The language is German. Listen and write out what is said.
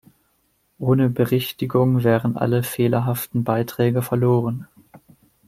Ohne Berichtigung wären alle fehlerhaften Beiträge verloren.